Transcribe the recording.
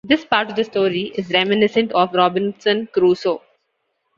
This part of the story is reminiscent of Robinson Crusoe.